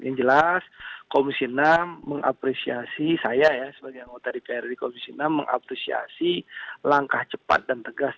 yang jelas komisi enam mengapresiasi saya ya sebagai anggota dprd komisi enam mengapresiasi langkah cepat dan tegas